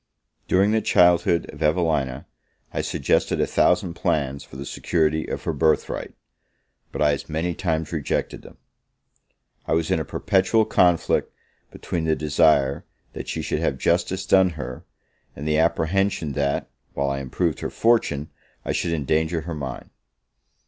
During the childhood of Evelina, I suggested a thousand plans for the security of her birth right; but I as many times rejected them. I was in a perpetual conflict, between the desire that she should have justice done her, and the apprehension that, while I improved her fortune, I should endanger her mind.